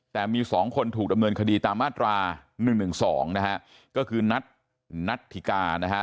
แต่มี๒คนถูกดำเนินคดีตามมาตรา๑๑๒นะฮะก็คือนัทนัทธิกานะฮะ